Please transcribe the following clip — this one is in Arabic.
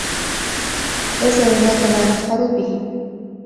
ليس هناك ما نفخر به.